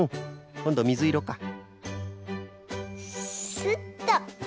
スッと。